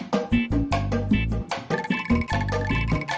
bukan nasi bungkus